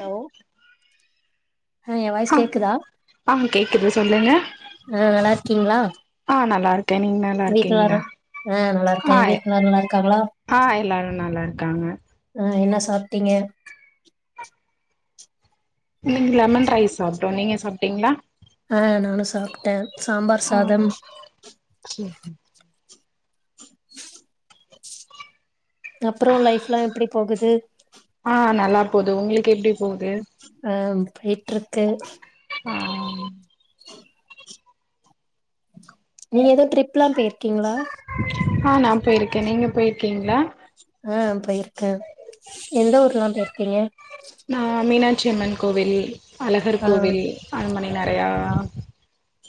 Hello ஏ voice ஆ கேக்குதா ஆ கேக்குது சொல்லுங்க ஆ நல்லா இருக்கீங்ளா ஆ நல்லா இருக்க நீங்க நல் லா இருக்கேங்ளா ஆ நல்லா இருக்கே ஆ வீட்ல எல்லாரு நல்லா இருக்காங்களா ஆ எல்லாரு நல்லா இருக்காங்க ஆ என்ன சாப்டீங்க இன்னைக்கு லெமன் ரைஸ் சாப்டோ நீங்க சாப்டீங்களா ஆ நானு சாப்ட சாம்பார் சாதம் ம் அப்புறோ லைஃப் எல்லா எப்டி போகுது ஆ நல்லா போகுது உங்களுக்கு எப்டி போது அம் போயிட்டுருக்கு ஆம் நீங்க ஏதோ ட்ரிப் எல்லா பெயிற்க்கீங்களா ஆ நா பேயிருக்கே நீங்க பேயிருக்கீங்ளா ஆ பயிருக்கே எந்த ஊரலா பேயிருக்கீங்க நா மீனாட்சி அம்மன் கோவில் அழகர் ஆ கோவில் அரண்மனை நெறயா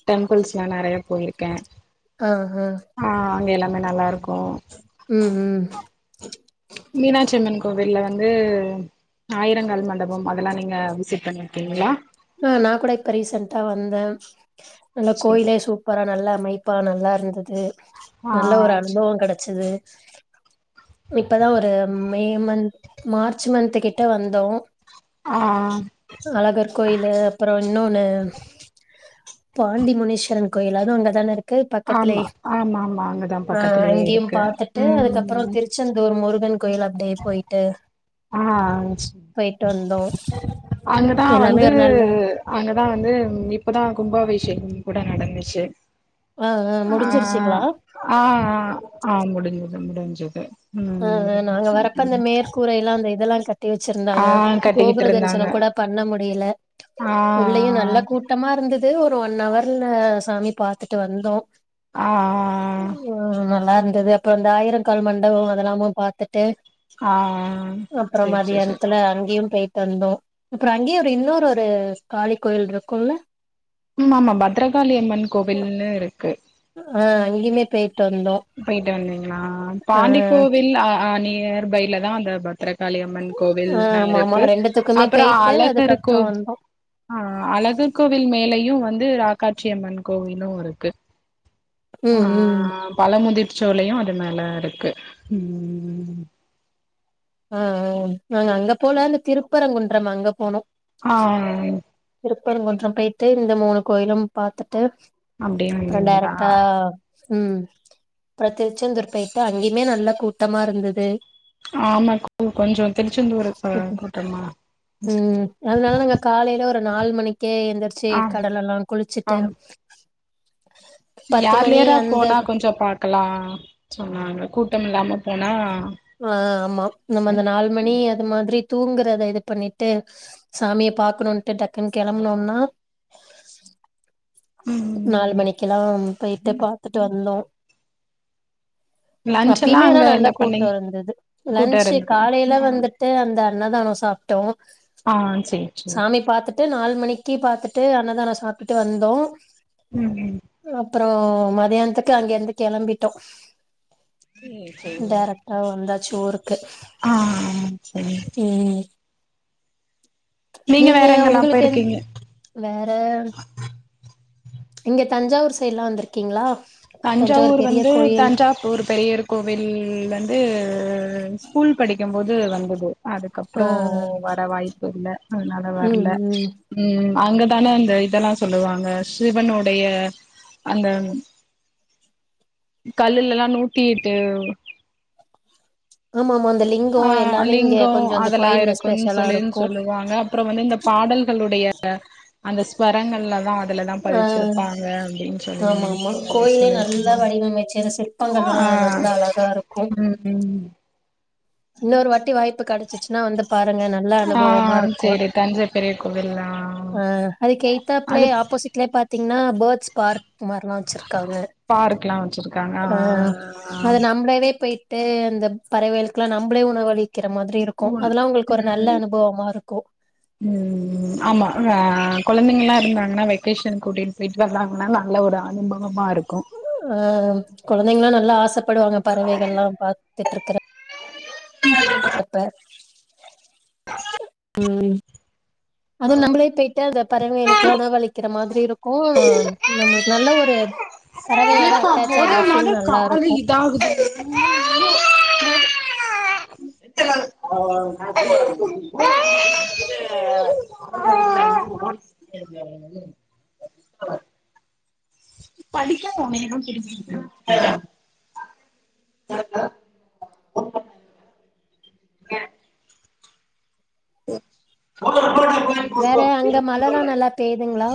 டெம்பிள்ஸ்ல்லா நெறையா போயிருக்கே ஆ ஆ ஆ அங்கே எல்லாமே நல்லாருக்கோ ம் ம் மீனாட்சியம்மன் கோவில்ல வந்து ஆயிரங்கால் மண்டபம் அதெல்லா நீங்க விசிட் பண்ணிருக்கீங்களா ஆ நா கூட இப்ப ரீசன்டா வந்தே நல்ல சேரி கோயிலே சூப் பெறவ் நல்லா அமைப்பா நல்லா இருந்தது ஆ நல்ல ஒரு அனுபவம் கெடைச்சது இப்பதா ஒரு மே மந்த் மார்ச் மந்த் கிட்ட வந்தோ ஆ அழகர் கோயிலு அப்பறோ இன்னொன்னு பாண்டி முனிஸ்வரன் கோயில் அதுவூ அங்கதான இருக்கு பக்கத்துலே ஆமா ஆமா ஆமா அங்கதா ஆ பக்கத்துலயே அங்கேயும் இருக்கு பாத்துட்டு ம் அதுக்கப்பறம் திரு ச்செந்தூர் முருகன் கோயில் அப்டே போயிட்டு ஆ போயிட்டு வந்தோம் அங்கதா எல்லாமே வந்து ஒரு நாள்ல அங்கதா வந்து இப்பதா கும்பாபிஷேகம் கூட நடந்துச்சு ஆ ஆ முடிஞ்சிருச்சிங்களா அ ஆ ஆ முடிஞ்து முடிஞ்சது அ ஆ நாங்க வரப்ப அந்த ம் மேற்கூரைல்லாம் அந்த இதெல்லா கட் டி ஆ வச்சிருந்தாங்க கட்டிக்கிட்டு கோபுர இருந்தாங்க தரிசனம் கூட பண்ண முடியல ஆ உள்ளயும் நல்ல கூட் டமா இருந்தது ஒரு ஒன் அவர்ல சாமி பாத்துட்டு வந்தோ அ ஆ உ அ நல்லா இருந்தது அப்பறோ இந்த ஆயிரக்கால் மண்டபம் அதெல்லாமும் பாத்துட்டு ஆ ஆ அப்பறோ சேரி சேரி சேரி மத்தியானத்துல அங்கயூ போயிட்டு வந்தோம் அப்பறோ அங்கே ஒரு இன்னொரு ஒரு காளி கோயில் இருக்குல்ல ம் ஆமாம பத்ரகாளியம்மன் கோவில்ன்னு இருக்கு ஆ அங்கியுமே பேயிட்டு வந்தோ போயிட்டு வந்தீங்களா ஆ பாண்டி கோவில் அ ஆ நியர் பைல தா அந்த பத் ரகாளியம்மன் ஆ கோவில்தா ஆமா ஆமா இருக்கு ரெண்டுத்துக்குமே அப்பறம் அ போயிட்டு அழகர் கோ அதுக்கப்புறோ வந்தோ ஆ அழகர் கோவில் மேலயும் வந்து ராக்காட்சியம்மன் கோவிலும் இருக்கு ம் ம் பழமுதிர்சோலயும் அது மேல இருக்கு அ ஆ நாங்க அங்க போல அந்த திருப்பரங்குன்றம் அங்க போனோ ஆ திருப்பரங்குன்றம் பேயிட்டு இந்த மூணு கோயிலும் பாத்துட்டு அப்டியே அப்பறோ வந்தீங்களா டேரக்டா அப்பறோ திருச்செந்தூர் பேயிட்டு அங்கயுமே நல்ல கூட்டமா இருந்தது ஆமா கோ கொஞ்சோ திருச்செந்தூரு அ கூட்டமா ம் அதனால நாங்க காலயில ஒரு நாலு மணிக்கே எந்திர்ச் ரிச்சு ஆ கடலெல்லா குளிச்சுட்டு பத்து மணி ஏர்லியரா அந்த போனா கொஞ்சோ பாக்கலா சொன்னாங்க கூட்டோ இல்லாம போனா ஆ ஆமா நம்ம அந்த நாலு மணி அதுமாதிரி தூங்குறத இது பண்ணிட்டு சாமிய பாக்கனும்ட்டு டக்குனு கொளம்பனும்னா நால் ம் மணிக்கல்லாம் பேயிட்டு பாத்துட்டு வந்தோ லன்ச் எல்லா அப்பயுமேன்னா அங்க நல்ல என்ன கூட்டோ பண்ணீங் இருந்தது கூட்ட லன்ஞ்சு இருந்தது காலயிலா வந்துட் டு அந்த அன்னதானோ சாப்டோ ஆ சேரி சேரி சாமி பாத்துட் ட்டு நாலு மணிக்கு பாத்துட்டு அன்னதானோ சாப்டிட்டு வந்தோ ம் அப்புறோ மதியானத்துக்கு அங்கிருந்து கிளம்பிட்டோ சேரி சேரி டேரக்டா வந்தாச்சு ஊருக்கு ஆ சேரி உம் நீங்க வேற எங்கெல்லா உங்ளுக்கு என் போயிருக்கீங்க வேற இங்க தஞ்சாவூர் சைடுலா வந்திருக்கீங்களா தஞ்சாவூர் பெரிய வந்து கோயில் தஞ்சா வூர் பெரியர் கோவில் வந்து ஸ்கூல் படிக்கும்போது வந்தது ஆ அதுக்கப்பறோ ஆ வர வாய்ப்பு இல்ல அதனால ம் வரல ம் ம் அங்கதானே அந்த இதெல்லா சொல்லுவாங்க சிவனுடைய அந்த கல்லுல எல்லா நூத்திஎட்டு ஆமா ஆமா அந்த லி ஆ லிங்கோ அதெல்லா இருக்குன்னு ஸ்பெஷலா சொல்லின்னு இருக்கு சொல்லுவாங்க அப்புறோ வந்து இந்த பாடல்களுடைய அந்த ஸ்சுவரங்கள்ல தா அதுலதா ஆ பதிச்சிருப்பாங்க அப்டின்னு ஆமா சொல்லிங்க ஆமா சொன் கோயிலே நல்லா வடிவமைச்சு சிற்பங்கள்லா ஆ நல்லா அழகா இருக்கு ம் ம் இன்னொரு வாட்டி வாய்ப்பு கடைச்சிச்சினா வந்து பாருங்க நல்ல ஆ அனுபவமா இருக்கு சேரி தஞ்சை பெரிய கோவில்லா அ அதுக் எய்தாபிலே அது ஆப்போசிட் லே பாத்தீங்கனா பேர்ட்ஸ் பார்க் மார்லா வச்சிருக்காங்க பார்க்லா வச்சிருக்காங்க அ ஆ ஆ அது நம்மளவே போயி ட்டு அந்த பறவைளுக்கெலா நம்மளே உணவளி க்கிற மாதிரி இருக்கு ஒன் அதெல்லா உங்ளுக்கு ஒரு நல்ல ம் அனுபவமா இருக்கு ம் ஆமா ஆ கொழந்தங்கலா இருந்தாங்கனா வெக்கேஷன் கூட்டிட் போயிட்டு வந்தாகனா நல்ல ஒரு அனுபவமா இருக்கு அ கொழந்தைங்கலா நல்லா ஆசைப்படுவாங்க பறவைகளல்லா பாத்துட்டு இருக்கற [inaudible] இப்ப [inaudible] ம் அதுவு நம்மள போயிட்டு பறவைகளுக்கல்லா உணவ அளிக்கிற மாதிரி இருக்கு நம்ளுக்கு நல்ல ஒரு பறவையோட அ அட்டாச் ஆகுற ஃபீல் போதுபோது நல்லா காலு இருக்கு இதாகுது த்த [unintelligible] [unintelligible] [unintelligible] [unintelligible] [unintelligible] [unintelligible] வேற அங்க எனக்கு மழல்லா புரியல. நல்லா பெயுதுங்களா